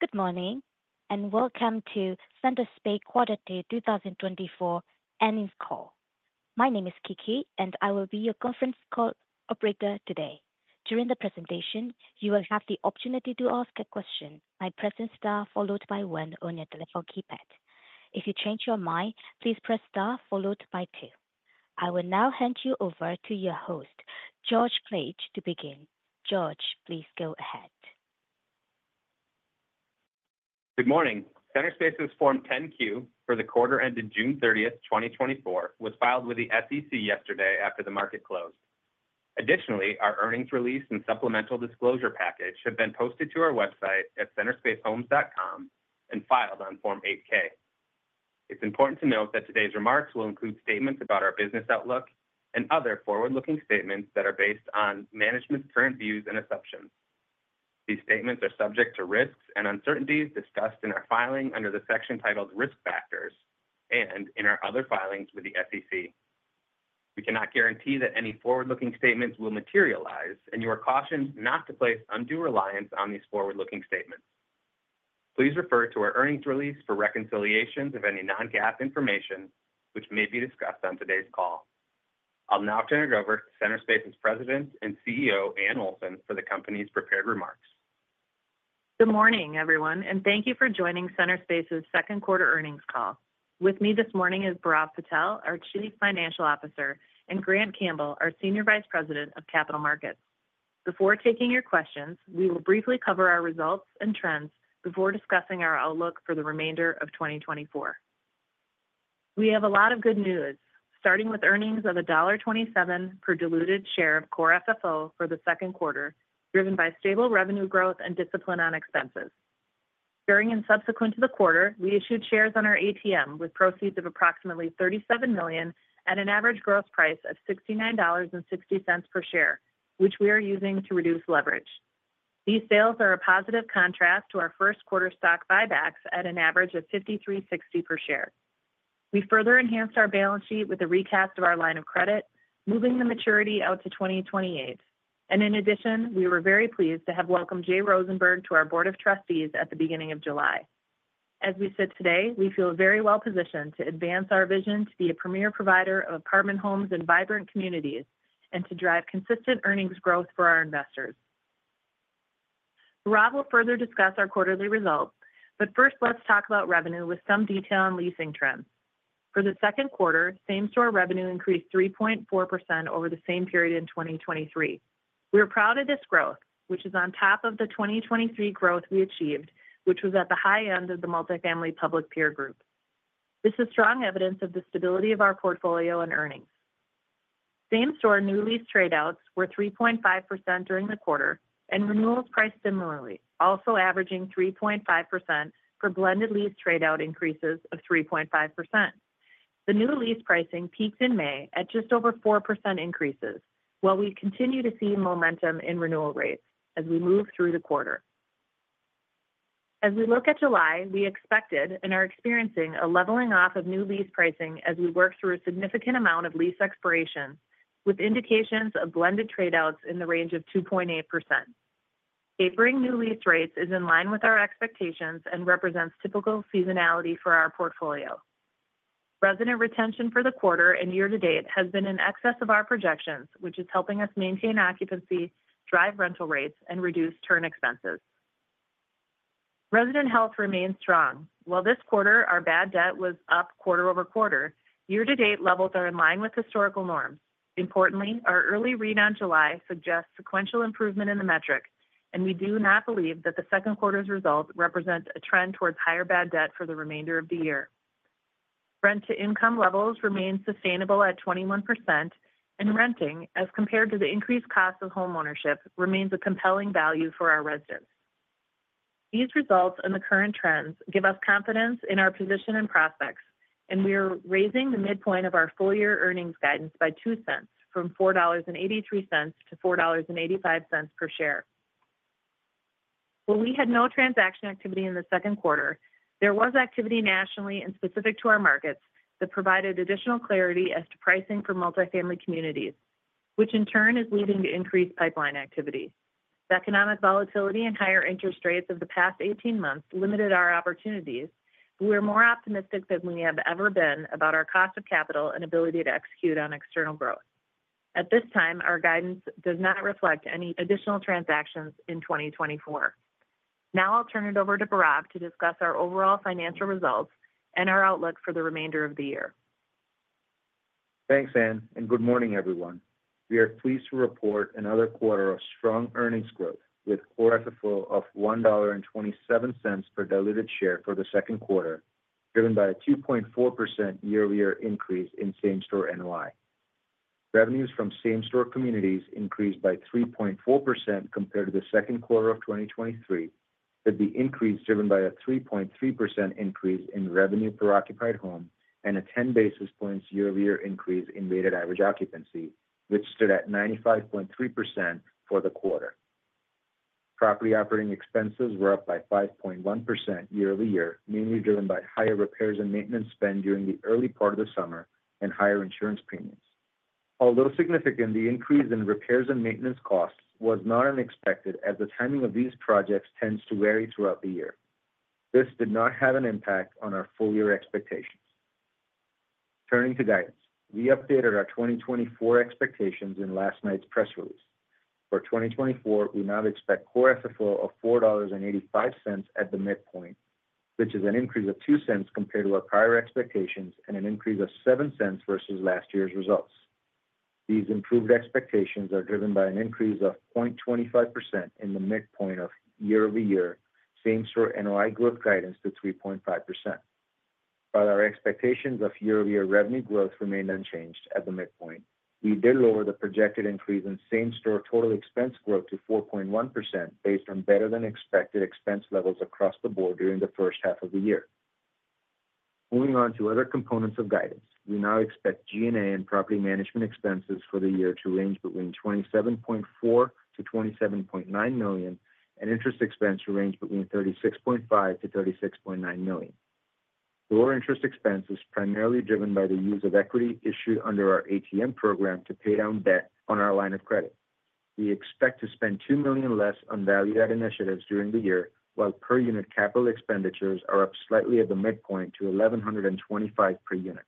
Good morning and welcome to Centerspace Quarter Day 2024 Earnings Call. My name is Kiki and I will be your conference call operator today. During the presentation, you will have the opportunity to ask a question by pressing star followed by one on your telephone keypad. If you change your mind, please press star followed by two. I will now hand you over to your host, Josh Klaetsch, to begin. Josh, please go ahead. Good morning. Centerspace's Form 10-Q for the quarter ended 30 June 2024, was filed with the SEC yesterday after the market closed. Additionally, our earnings release and supplemental disclosure package have been posted to our website at centerspacehomes.com and filed on Form 8-K. It's important to note that today's remarks will include statements about our business outlook and other forward-looking statements that are based on management's current views and assumptions. These statements are subject to risks and uncertainties discussed in our filing under the section titled Risk Factors and in our other filings with the SEC. We cannot guarantee that any forward-looking statements will materialize and you are cautioned not to place undue reliance on these forward-looking statements. Please refer to our earnings release for reconciliations of any non-GAAP information which may be discussed on today's call. I'll now turn it over to Centerspace's President and CEO, Anne Olson for the company's prepared remarks. Good morning, everyone and thank you for joining Centerspace's Q2 Earnings Call. With me this morning is Bhairav Patel, our Chief Financial Officer, and Grant Campbell, our Senior Vice President of Capital Markets. Before taking your questions, we will briefly cover our results and trends before discussing our outlook for the remainder of 2024. We have a lot of good news, starting with earnings of $1.27 per diluted share of core FFO for the Q2, driven by stable revenue growth and discipline on expenses. During and subsequent to the quarter, we issued shares on our ATM with proceeds of approximately $37 million at an average gross price of $69.60 per share, which we are using to reduce leverage. These sales are a positive contrast to our Q1 stock buybacks at an average of $53.60 per share. We further enhanced our balance sheet with a recast of our line of credit, moving the maturity out to 2028. In addition, we were very pleased to have welcomed Jay Rosenberg to our Board of Trustees at the beginning of July. As we sit today, we feel very well positioned to advance our vision to be a premier provider of apartment homes and vibrant communities, and to drive consistent earnings growth for our investors. Rob will further discuss our quarterly results, but first, let's talk about revenue with some detail on leasing trends. For the Q2, same-store revenue increased 3.4% over the same period in 2023. We are proud of this growth, which is on top of the 2023 growth we achieved, which was at the high end of the multifamily public peer group. This is strong evidence of the stability of our portfolio and earnings. Same-store new lease trade outs were 3.5% during the quarter, and renewals priced similarly, also averaging 3.5% for blended lease trade out increases of 3.5%. The new lease pricing peaked in May at just over 4% increases, while we continue to see momentum in renewal rates as we move through the quarter. As we look at July, we expected and are experiencing a leveling off of new lease pricing as we work through a significant amount of lease expirations, with indications of blended trade outs in the range of 2.8%. Tapering new lease rates is in line with our expectations and represents typical seasonality for our portfolio. Resident retention for the quarter and year to date has been in excess of our projections, which is helping us maintain occupancy, drive rental rates, and reduce turn expenses. Resident health remains strong, while this quarter, our bad debt was up quarter-over-quarter, year to date levels are in line with historical norms. Importantly, our early read on July suggests sequential improvement in the metric, and we do not believe that the Q2 results represent a trend towards higher bad debt for the remainder of the year. Rent to income levels remain sustainable at 21%, and renting, as compared to the increased cost of homeownership, remains a compelling value for our residents. These results and the current trends give us confidence in our position and prospects, and we are raising the midpoint of our full-year earnings guidance by $0.02 from $4.83-4.85 per share. Well, we had no transaction activity in the Q2. There was activity nationally and specific to our markets that provided additional clarity as to pricing for multifamily communities, which in turn is leading to increased pipeline activity. The economic volatility and higher interest rates of the past 18 months limited our opportunities. We are more optimistic than we have ever been about our cost of capital and ability to execute on external growth. At this time, our guidance does not reflect any additional transactions in 2024. Now I'll turn it over to Bhairav to discuss our overall financial results and our outlook for the remainder of the year. Thanks, Anne and good morning, everyone. We are pleased to report another quarter of strong earnings growth with core FFO of $1.27 per diluted share for the second quarter, driven by a 2.4% year-over-year increase in same-store NOI. Revenues from same-store communities increased by 3.4% compared to the Q2 of 2023, with the increase driven by a 3.3% increase in revenue per occupied home and a 10 basis points year-over-year increase in weighted average occupancy, which stood at 95.3% for the quarter. Property operating expenses were up by 5.1% year-over-year, mainly driven by higher repairs and maintenance spend during the early part of the summer and higher insurance premiums. Although significant, the increase in repairs and maintenance costs was not unexpected, as the timing of these projects tends to vary throughout the year. This did not have an impact on our full-year expectations. Turning to guidance, we updated our 2024 expectations in last night's press release. For 2024, we now expect Core FFO of $4.85 at the midpoint, which is an increase of $0.02 compared to our prior expectations and an increase of $0.07 versus last year's results. These improved expectations are driven by an increase of 0.25% in the midpoint of year-over-year Same-Store NOI growth guidance to 3.5%. While our expectations of year-over-year revenue growth remain unchanged at the midpoint, we did lower the projected increase in same-store total expense growth to 4.1% based on better than expected expense levels across the board during the first half of the year. Moving on to other components of guidance. We now expect G&A and property management expenses for the year to range between $27.4 million-27.9 million, and interest expense to range between $36.5 million-36.9 million. Lower interest expense is primarily driven by the use of equity issued under our ATM program to pay down debt on our line of credit. We expect to spend $2 million less on value-add initiatives during the year, while per unit capital expenditures are up slightly at the midpoint to 1,125 per unit.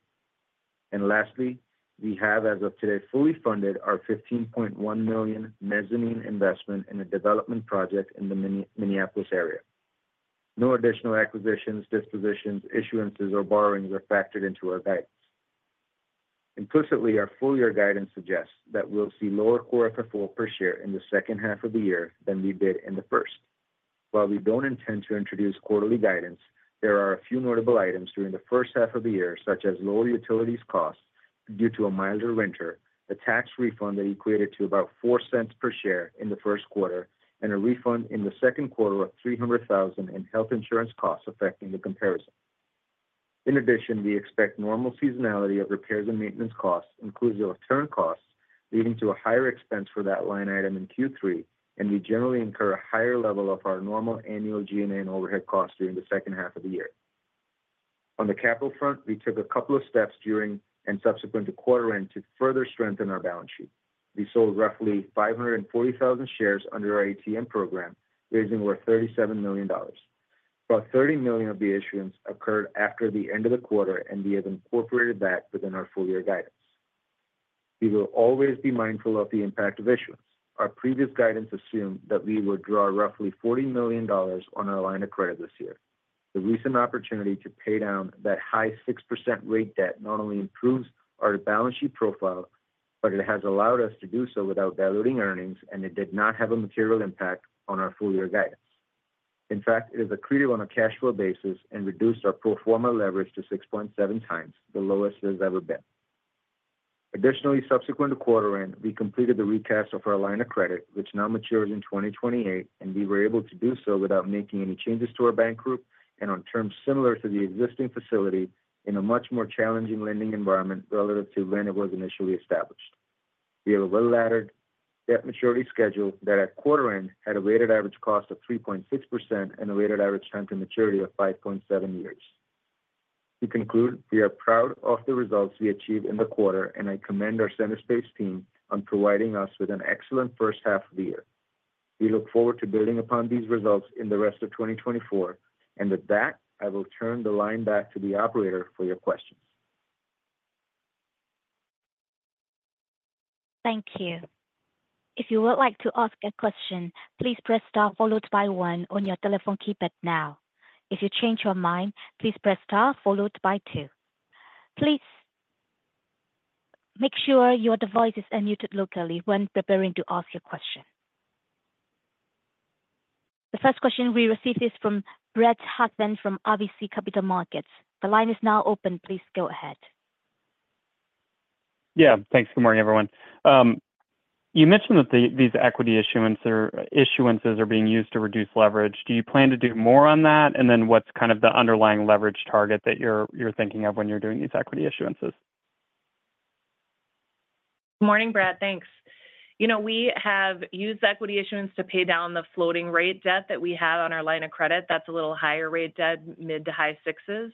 And lastly, we have, as of today, fully funded our $15.1 million mezzanine investment in a development project in the Minneapolis area. No additional acquisitions, dispositions, issuances, or borrowings are factored into our guidance. Implicitly, our full year guidance suggests that we'll see lower core FFO per share in the second half of the year than we did in the first. While we don't intend to introduce quarterly guidance, there are a few notable items during the first half of the year, such as lower utilities costs due to a milder winter, a tax refund that equated to about $0.04 per share in the first quarter, and a refund in the Q2 of $300,000 in health insurance costs affecting the comparison. In addition, we expect normal seasonality of repairs and maintenance costs, including return costs, leading to a higher expense for that line item in Q3, and we generally incur a higher level of our normal annual G&A and overhead costs during the second half of the year. On the capital front, we took a couple of steps during and subsequent to quarter end to further strengthen our balance sheet. We sold roughly 540,000 shares under our ATM program, raising over $37 million. About $30 million of the issuance occurred after the end of the quarter, and we have incorporated that within our full year guidance. We will always be mindful of the impact of issuance. Our previous guidance assumed that we would draw roughly $40 million on our line of credit this year. The recent opportunity to pay down that high 6% rate debt not only improves our balance sheet profile, but it has allowed us to do so without diluting earnings, and it did not have a material impact on our full year guidance. In fact, it is accretive on a cash flow basis and reduced our pro forma leverage to 6.7 times, the lowest it has ever been. Additionally, subsequent to quarter end, we completed the recast of our line of credit, which now matures in 2028, and we were able to do so without making any changes to our bank group, and on terms similar to the existing facility in a much more challenging lending environment relative to when it was initially established. We have a well-laddered debt maturity schedule that at quarter end, had a weighted average cost of 3.6% and a weighted average time to maturity of 5.7 years. To conclude, we are proud of the results we achieved in the quarter, and I commend our Centerspace team on providing us with an excellent first half of the year. We look forward to building upon these results in the rest of 2024, and with that, I will turn the line back to the operator for your questions. Thank you. If you would like to ask a question, please press star followed by one on your telephone keypad now. If you change your mind, please press star followed by two. Please make sure your devices are unmuted locally when preparing to ask your question. The first question we received is from Brad Heffern from RBC Capital Markets. The line is now open. Please go ahead. Yeah, thanks. Good morning, everyone. You mentioned that these equity issuance or issuances are being used to reduce leverage. Do you plan to do more on that? And then what's kind of the underlying leverage target that you're thinking of when you're doing these equity issuances? Morning, Brad. Thanks. You know, we have used equity issuance to pay down the floating rate debt that we have on our line of credit. That's a little higher rate debt, mid to high 6s.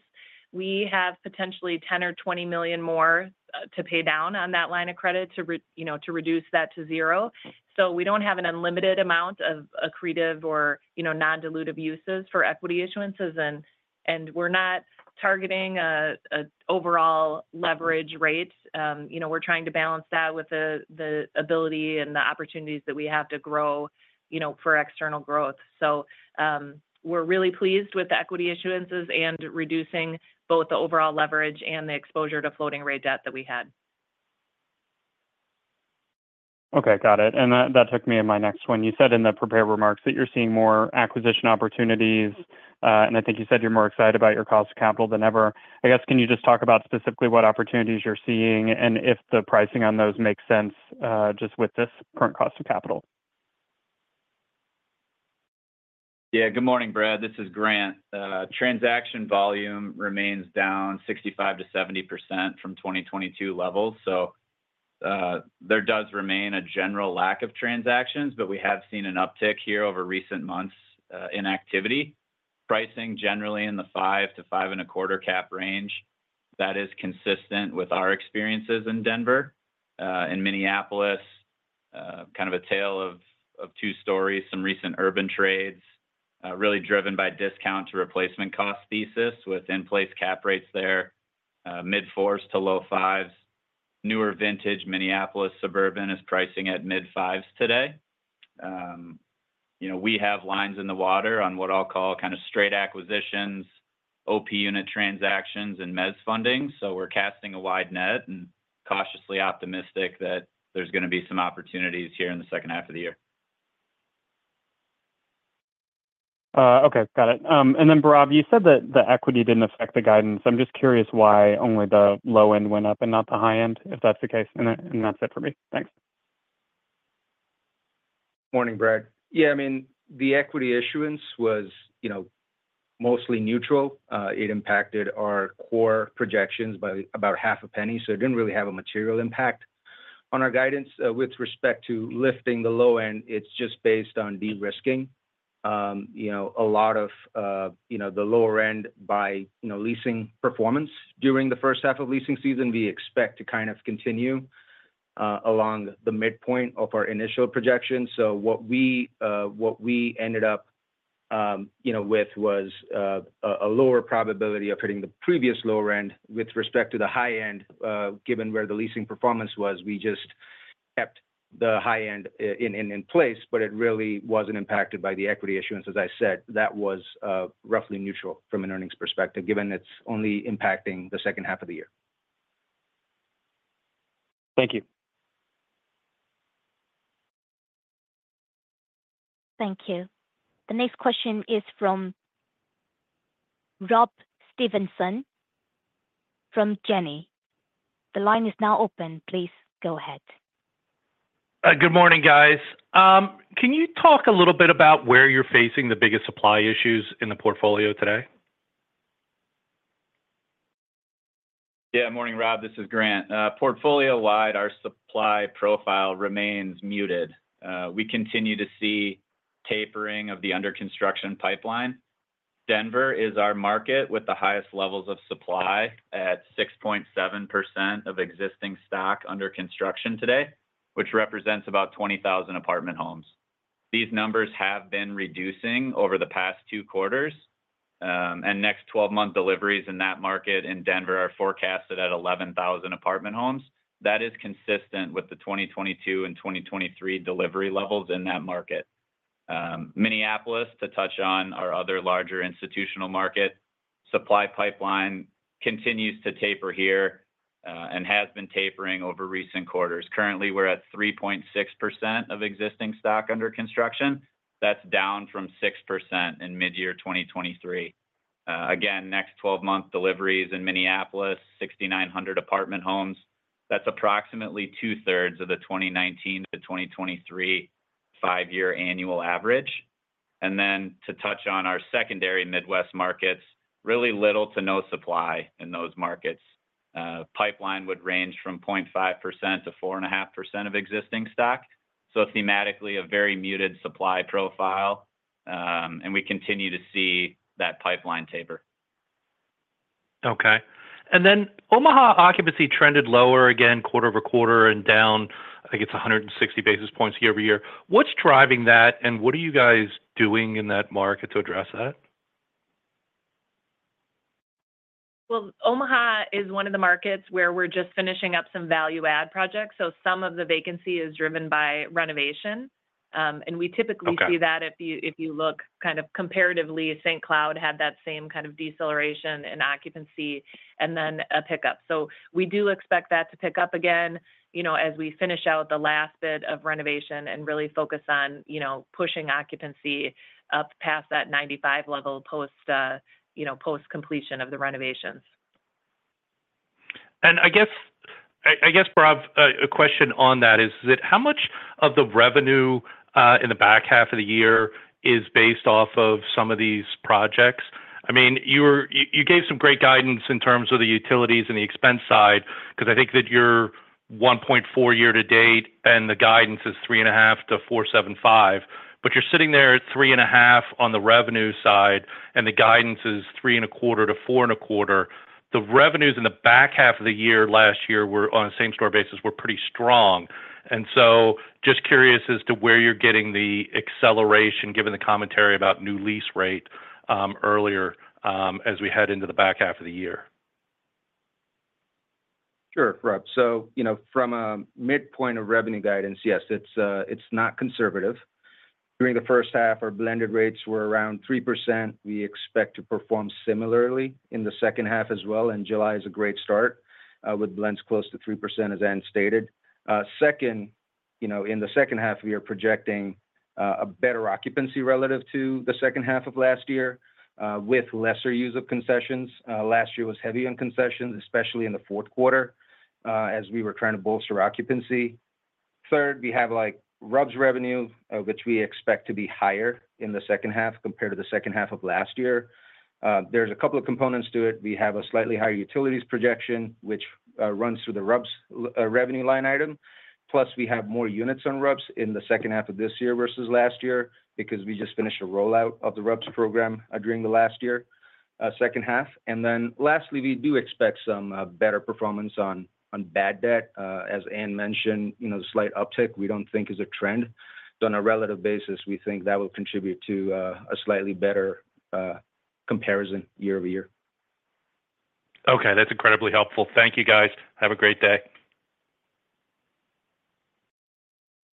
We have potentially $10 or 20 million more to pay down on that line of credit to reduce that to zero. So we don't have an unlimited amount of accretive or, you know, non-dilutive uses for equity issuances, and we're not targeting a overall leverage rate. You know, we're trying to balance that with the ability and the opportunities that we have to grow, you know, for external growth. So we're really pleased with the equity issuances and reducing both the overall leverage and the exposure to floating rate debt that we had. Okay, got it and that took me to my next one. You said in the prepared remarks that you're seeing more acquisition opportunities, and I think you said you're more excited about your cost of capital than ever. I guess, can you just talk about specifically what opportunities you're seeing, and if the pricing on those makes sense, just with this current cost of capital? Yeah. Good morning, Brad. This is Grant. Transaction volume remains down 65%-70% from 2022 levels, so, there does remain a general lack of transactions, but we have seen an uptick here over recent months, in activity, pricing generally in the 5%-5.25% cap range, that is consistent with our experiences in Denver. In Minneapolis, kind of a tale of two stories. Some recent urban trades, really driven by discount to replacement cost thesis with in-place cap rates there, mid-4s to low 5s. Newer vintage Minneapolis suburban is pricing at mid-5s today. You know, we have lines in the water on what I'll call kind of Straight Acquisitions, OP Unit Transactions, and Mez Funding. We're casting a wide net and cautiously optimistic that there's gonna be some opportunities here in the second half of the year. Okay, got it. And then, Bhairav, you said that the equity didn't affect the guidance. I'm just curious why only the low end went up and not the high end, if that's the case. And then, and that's it for me. Thanks. Morning, Brad. Yeah, I mean, the equity issuance was, you know, mostly neutral. It impacted our core projections by about $0.005, so it didn't really have a material impact. On our guidance, with respect to lifting the low end, it's just based on de-risking. You know, a lot of, you know, the lower end by, you know, leasing performance during the first half of leasing season, we expect to kind of continue along the midpoint of our initial projection. So what we ended up, you know, with was a lower probability of hitting the previous lower end. With respect to the high end, given where the leasing performance was, we just kept the high end in place, but it really wasn't impacted by the equity issuance. As I said, that was roughly neutral from an earnings perspective, given it's only impacting the second half of the year. Thank you. Thank you. The next question is from Rob Stevenson from Janney. The line is now open. Please go ahead. Good morning, guys. Can you talk a little bit about where you're facing the biggest supply issues in the portfolio today? Yeah. Morning, Rob. This is Grant. Portfolio-wide, our supply profile remains muted. We continue to see tapering of the under construction pipeline. Denver is our market with the highest levels of supply at 6.7% of existing stock under construction today, which represents about 20,000 apartment homes. These numbers have been reducing over the past two quarters, and next twelve-month deliveries in that market in Denver are forecasted at 11,000 apartment homes. That is consistent with the 2022 and 2023 delivery levels in that market. Minneapolis, to touch on our other larger institutional market, supply pipeline continues to taper here, and has been tapering over recent quarters. Currently, we're at 3.6% of existing stock under construction. That's down from 6% in mid-year 2023. Again, next twelve-month deliveries in Minneapolis, 6,900 apartment homes. That's approximately 2/3 of the 2019 to 2023 five-year annual average. And then to touch on our secondary Midwest markets, really little to no supply in those markets. Pipeline would range from 0.5% to 4.5% of existing stock. So thematically, a very muted supply profile, and we continue to see that pipeline taper. Okay and then Omaha occupancy trended lower again, quarter-over-quarter and down, I think it's 160 basis points year-over-year. What's driving that, and what are you guys doing in that market to address that? Well, Omaha is one of the markets where we're just finishing up some value add projects, so some of the vacancy is driven by renovation. And we typically, Okay see that if you, if you look kind of comparatively, St. Cloud had that same kind of deceleration in occupancy and then a pickup. So we do expect that to pick up again, you know, as we finish out the last bit of renovation and really focus on, you know, pushing occupancy up past that 95 level post, you know, post completion of the renovations. I guess, Bhairav, a question on that is that how much of the revenue in the back half of the year is based off of some of these projects? I mean, you gave some great guidance in terms of the utilities and the expense side, 'cause I think that you're 1.4 year to date, and the guidance is 3.5-4.75. But you're sitting there at 3.5 on the revenue side, and the guidance is 3.25-4.25. The revenues in the back half of the year, last year were, on a same store basis, pretty strong. Just curious as to where you're getting the acceleration, given the commentary about new lease rate earlier, as we head into the back half of the year? Sure, Rob. So, you know, from a midpoint of revenue guidance, yes, it's, it's not conservative. During the first half, our blended rates were around 3%. We expect to perform similarly in the second half as well, and July is a great start, with blends close to 3%, as Anne stated. Second, you know, in the second half, we are projecting, a better occupancy relative to the second half of last year, with lesser use of concessions. Last year was heavy on concessions, especially in the fourth quarter, as we were trying to bolster occupancy. Third, we have, like, RUBS revenue, which we expect to be higher in the second half compared to the second half of last year, there's a couple of components to it. We have a slightly higher utilities projection, which runs through the RUBS revenue line item. Plus, we have more units on RUBS in the second half of this year versus last year, because we just finished a rollout of the RUBS program during the last year, second half. And then lastly, we do expect some better performance on bad debt. As Anne mentioned, you know, the slight uptick, we don't think is a trend. But on a relative basis, we think that will contribute to a slightly better comparison year-over-year. Okay, that's incredibly helpful. Thank you, guys. Have a great day.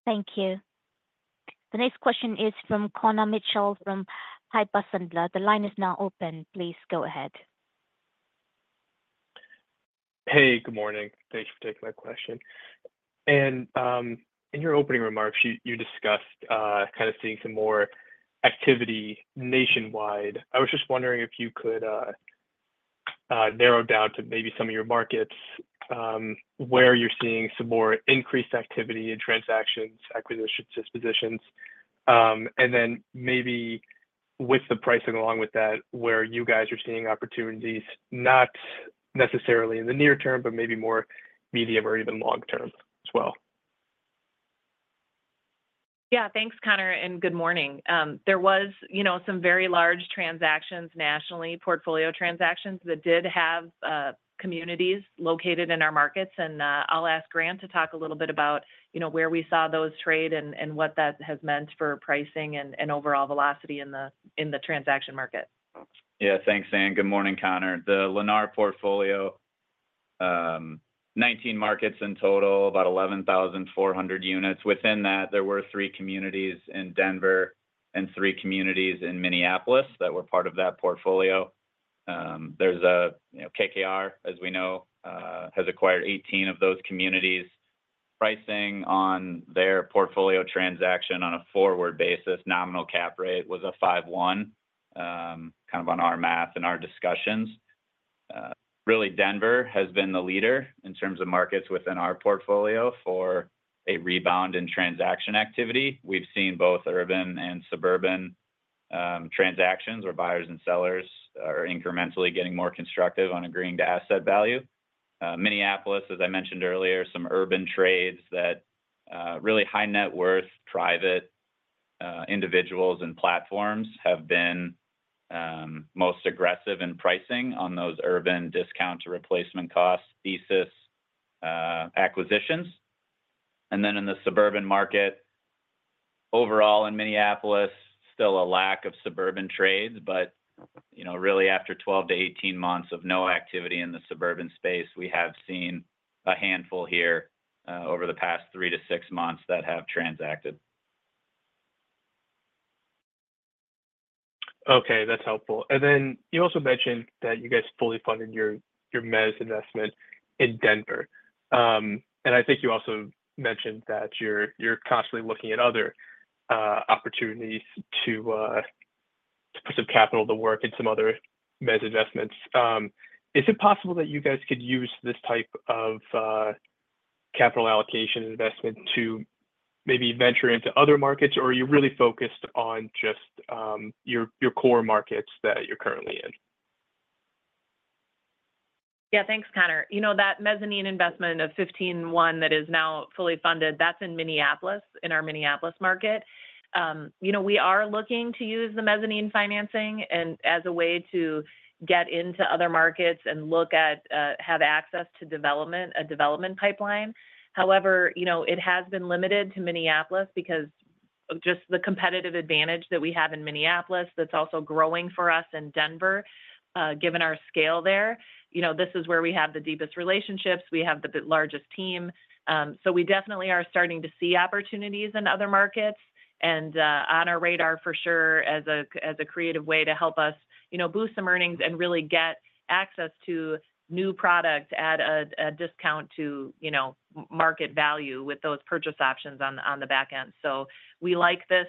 Thank you. The next question is from Connor Mitchell from Piper Sandler. The line is now open. Please go ahead. Hey, good morning. Thanks for taking my question. In your opening remarks, you discussed kind of seeing some more activity nationwide. I was just wondering if you could narrow down to maybe some of your markets, where you're seeing some more increased activity in transactions, acquisitions, dispositions. And then maybe with the pricing along with that, where you guys are seeing opportunities, not necessarily in the near term, but maybe more medium or even long term as well. Yeah, thanks, Connor, and good morning. There was, you know, some very large transactions nationally, portfolio transactions that did have communities located in our markets. And I'll ask Grant to talk a little bit about, you know, where we saw those trade and what that has meant for pricing and overall velocity in the transaction market. Yeah, thanks, Anne. Good morning, Connor. The Lennar portfolio, 19 markets in total, about 11,400 units. Within that, there were three communities in Denver and three communities in Minneapolis that were part of that portfolio. There's a, you know, KKR, as we know, has acquired 18 of those communities. Pricing on their portfolio transaction on a forward basis, nominal cap rate was a 5.1, kind of on our math and our discussions. Really, Denver has been the leader in terms of markets within our portfolio for a rebound in transaction activity. We've seen both urban and suburban transactions, where buyers and sellers are incrementally getting more constructive on agreeing to asset value. Minneapolis, as I mentioned earlier, some urban trades that really high net worth, private individuals and platforms have been most aggressive in pricing on those urban discount to replacement costs, thesis acquisitions. And then in the suburban market, overall in Minneapolis, still a lack of suburban trades, but you know, really, after 12-18 months of no activity in the suburban space, we have seen a handful here over the past 3-6 months that have transacted. Okay, that's helpful. Then you also mentioned that you guys fully funded your mezz investment in Denver. I think you also mentioned that you're constantly looking at other opportunities to put some capital to work in some other mezz investments. Is it possible that you guys could use this type of capital allocation investment to maybe venture into other markets? Or are you really focused on just your core markets that you're currently in? Yeah, thanks, Connor. You know, that mezzanine investment of $15.1 million that is now fully funded, that's in Minneapolis, in our Minneapolis market. You know, we are looking to use the Mezzanine Financing as a way to get into other markets and look at, have access to development, a development pipeline. However, you know, it has been limited to Minneapolis because of just the competitive advantage that we have in Minneapolis, that's also growing for us in Denver, given our scale there. You know, this is where we have the deepest relationships, we have the largest team. So we definitely are starting to see opportunities in other markets. And, on our radar, for sure, as a creative way to help us, you know, boost some earnings and really get access to new product at a discount to, you know, market value with those purchase options on the back end. So we like this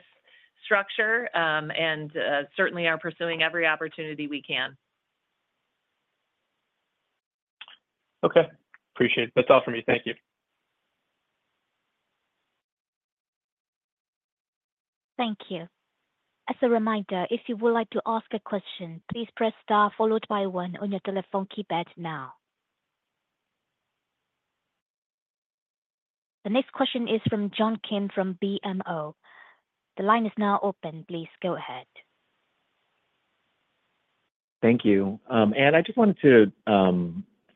structure, and certainly are pursuing every opportunity we can. Okay, appreciate it. That's all for me. Thank you. Thank you. As a reminder, if you would like to ask a question, please press star, followed by one on your telephone keypad now. The next question is from John Kim, from BMO. The line is now open. Please go ahead. Thank you. Anne, I just wanted to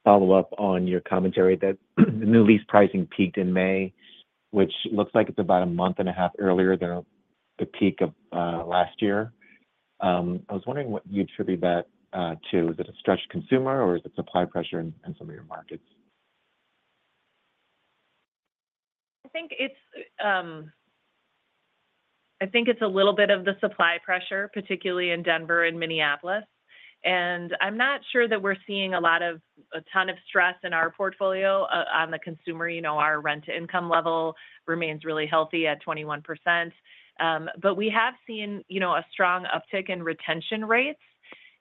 follow up on your commentary that the new lease pricing peaked in May, which looks like it's about a month and a half earlier than the peak of last year. I was wondering what you'd attribute that to. Is it a stretched consumer, or is it supply pressure in some of your markets? I think it's a little bit of the supply pressure, particularly in Denver and Minneapolis. And I'm not sure that we're seeing a lot of, a ton of stress in our portfolio on the consumer. You know, our rent-to-income level remains really healthy at 21%. But we have seen, you know, a strong uptick in retention rates.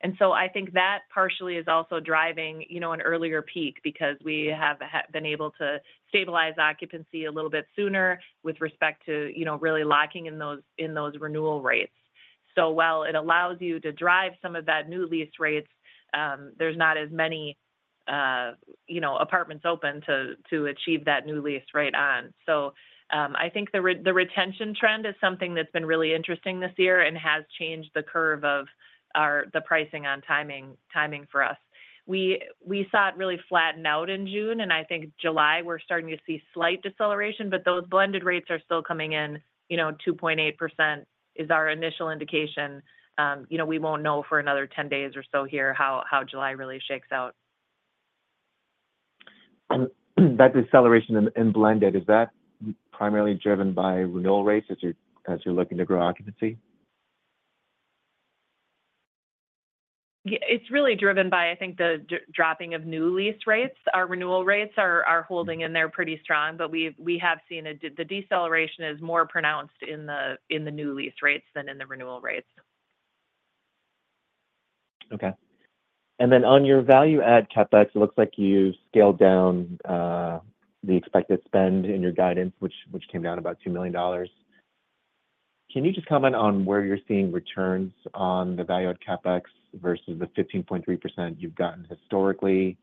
And so I think that partially is also driving, you know, an earlier peak because we have been able to stabilize occupancy a little bit sooner with respect to, you know, really locking in those, in those renewal rates. So while it allows you to drive some of that new lease rates, there's not as many, you know, apartments open to, to achieve that new lease rate on. So, I think the retention trend is something that's been really interesting this year and has changed the curve of our, the pricing on timing, timing for us. We saw it really flatten out in June, and I think July, we're starting to see slight deceleration, but those blended rates are still coming in. You know, 2.8% is our initial indication. You know, we won't know for another 10 days or so here, how July really shakes out. That deceleration in blended, is that primarily driven by renewal rates as you're looking to grow occupancy? Yeah, it's really driven by, I think, the dropping of new lease rates. Our renewal rates are holding in there pretty strong, but we have seen the deceleration is more pronounced in the new lease rates than in the renewal rates. Okay. And then, on your value add CapEx, it looks like you scaled down the expected spend in your guidance, which came down about $2 million. Can you just comment on where you're seeing returns on the value add CapEx versus the 15.3% you've gotten historically?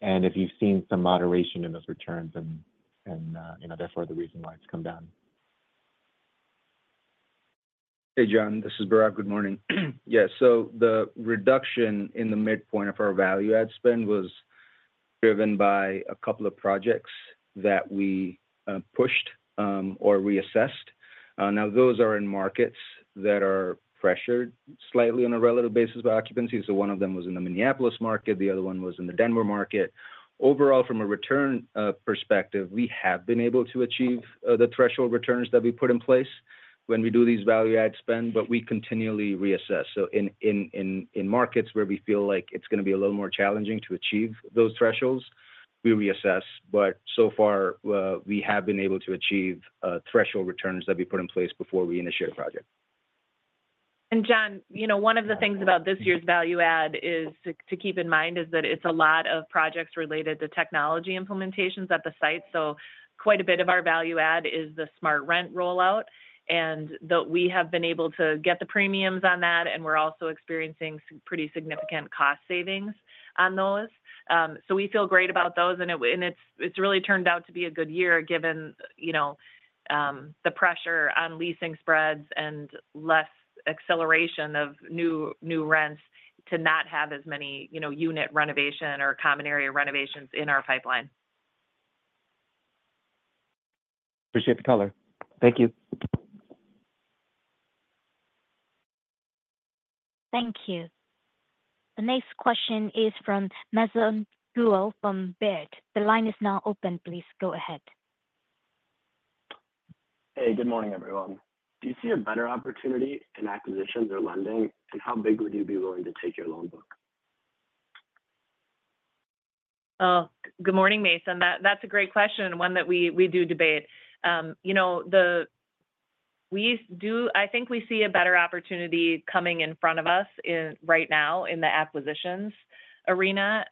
And if you've seen some moderation in those returns and, you know, therefore, the reason why it's come down. Hey, John, this is Bhairav. Good morning. Yeah, so the reduction in the midpoint of our value add spend was driven by a couple of projects that we pushed or reassessed. Now, those are in markets that are pressured slightly on a relative basis by occupancy. So one of them was in the Minneapolis market, the other one was in the Denver market. Overall, from a return perspective, we have been able to achieve the threshold returns that we put in place when we do these value add spend, but we continually reassess. So in markets where we feel like it's gonna be a little more challenging to achieve those thresholds, we reassess. But so far, we have been able to achieve threshold returns that we put in place before we initiate a project. And John, you know, one of the things about this year's value add is to keep in mind is that it's a lot of projects related to technology implementations at the site. So quite a bit of our value add is the SmartRent Rollout, and we have been able to get the premiums on that, and we're also experiencing some pretty significant cost savings on those. So we feel great about those, and it's really turned out to be a good year, given, you know, the pressure on leasing spreads and less acceleration of new rents to not have as many, you know, unit renovation or common area renovations in our pipeline. Appreciate the color. Thank you. Thank you. The next question is from Mason Guell from Baird. The line is now open. Please go ahead. Hey, good morning, everyone. Do you see a better opportunity in acquisitions or lending? And how big would you be willing to take your loan book? Good morning, Mason. That's a great question, and one that we do debate. You know, I think we see a better opportunity coming in front of us right now in the acquisitions arena,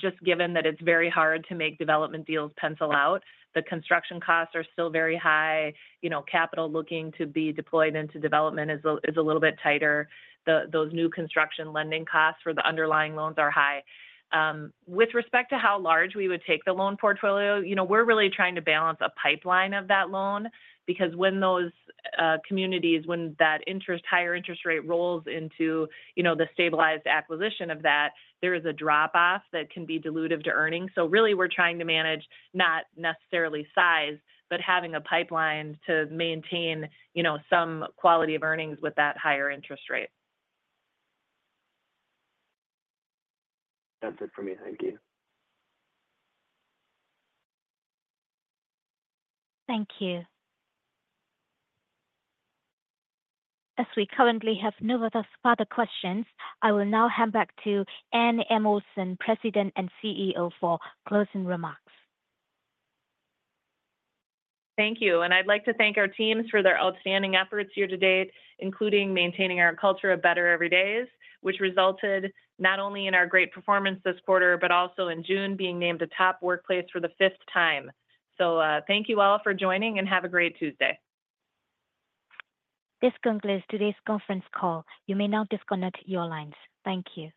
just given that it's very hard to make development deals pencil out. The construction costs are still very high. You know, capital looking to be deployed into development is a little bit tighter. Those new construction lending costs for the underlying loans are high. With respect to how large we would take the loan portfolio, you know, we're really trying to balance a pipeline of that loan because when those communities, when that interest higher interest rate rolls into, you know, the stabilized acquisition of that, there is a drop-off that can be dilutive to earnings. Really, we're trying to manage, not necessarily size, but having a pipeline to maintain, you know, some quality of earnings with that higher interest rate. That's it for me. Thank you. Thank you. As we currently have no other further questions, I will now hand back to Anne Olson, President and CEO, for closing remarks. Thank you, and I'd like to thank our teams for their outstanding efforts year to date, including maintaining our culture of better every days, which resulted not only in our great performance this quarter, but also in June, being named a top workplace for the fifth time. So, thank you all for joining, and have a great Tuesday. This concludes today's conference call. You may now disconnect your lines. Thank you.